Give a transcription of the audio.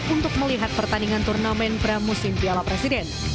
untuk melihat pertandingan turnamen pramusim piala presiden